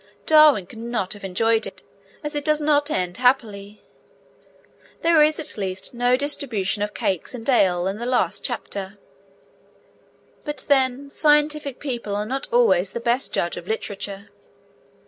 Darwin could not have enjoyed it, as it does not end happily. There is, at least, no distribution of cakes and ale in the last chapter. But, then, scientific people are not always the best judges of literature.